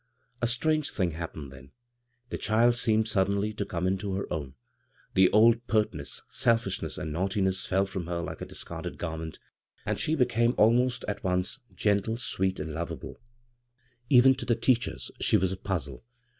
A strange thing happened then. The child seemed suddenly to come into her own. The oM pertness, selfishness and naughtiness fell from her like a discarded garment, and she became almost at once gentle, sweet, b, Google CROSS CURRENTS and lovable. Even to the tearheis she was a puzzle.